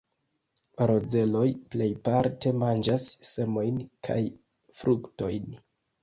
Rozeloj plejparte manĝas semojn kaj fruktojn.